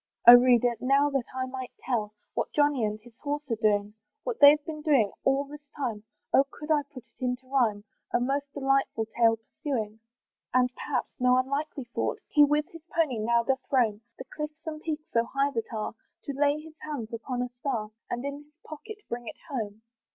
Oh reader! now that I might tell What Johnny and his horse are doing! What they've been doing all this time, Oh could I put it into rhyme, A most delightful tale pursuing! Perhaps, and no unlikely thought! He with his pony now doth roam The cliffs and peaks so high that are, To lay his hands upon a star, And in his pocket bring it home.